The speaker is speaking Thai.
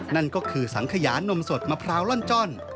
นั่นก็คือสังขยานมสดมะพร้าวล่อนจ้อน